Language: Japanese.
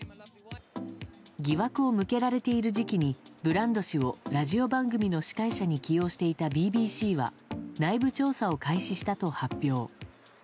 疑惑を向けられている時期にブランド氏をラジオ番組の司会者に起用していたＢＢＣは内部調査を開始したと発表。